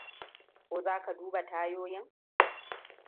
Ko za ka duba tayoyin?